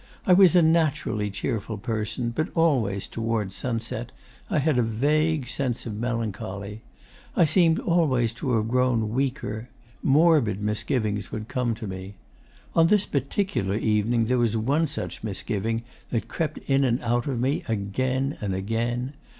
I was a naturally cheerful person, but always, towards sunset, I had a vague sense of melancholy: I seemed always to have grown weaker; morbid misgivings would come to me. On this particular evening there was one such misgiving that crept in and out of me again and again...